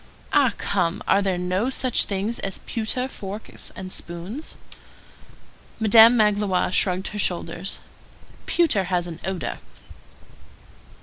"Ah, come! Are there no such things as pewter forks and spoons?" Madame Magloire shrugged her shoulders. "Pewter has an odor."